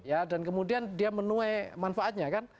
ya dan kemudian dia menuai manfaatnya kan